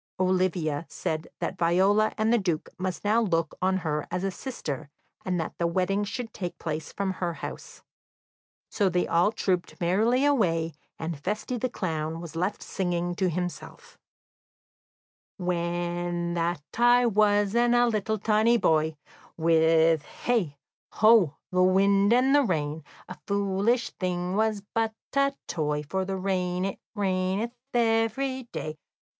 Olivia said that Viola and the Duke must now look on her as a sister, and that the wedding should take place from her house. So they all trooped merrily away, and Feste, the clown, was left singing to himself: "When that I was and a little tiny boy, With hey, ho, the wind and the rain, A foolish thing was but a toy, For the rain it raineth every day.